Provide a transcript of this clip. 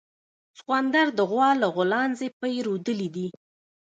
سخوندر د غوا له غولانځې پی رودلي دي